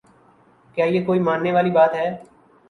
کیا یہ کوئی ماننے والی بات ہے؟